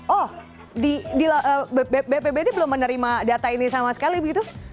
oh bpbd belum menerima data ini sama sekali begitu